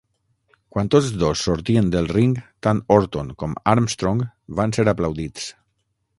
Quan tots dos sortien del ring, tant Orton com Armstrong van ser aplaudits.